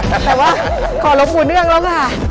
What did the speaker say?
แต่ว่าขอหลวงปู่เนื่องแล้วค่ะ